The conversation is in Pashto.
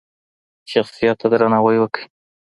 شخصیت ته درناوی وکړئ.